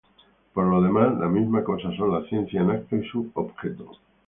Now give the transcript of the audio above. Por lo demás, la misma cosa son la ciencia en acto y su objeto.